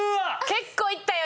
結構いったよ